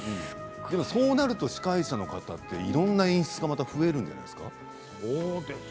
そうなると司会者の方はいろんな演出が増えるんじゃないですか。